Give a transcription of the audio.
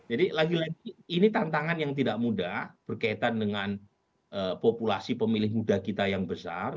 jadi lagi lagi ini tantangan yang tidak mudah berkaitan dengan populasi pemilih muda kita yang besar